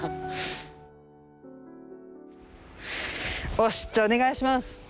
よしじゃあお願いします。